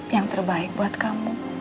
yang terbaik buat kamu